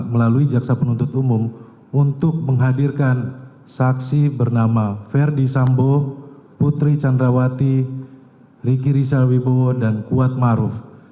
melalui jaksa penuntut umum untuk menghadirkan saksi bernama ferdi sambo putri candrawati riki rizal dan kuatma'ruf